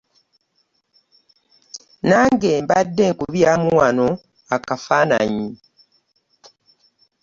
Nange mbadde nkubyamu wano akafaananyi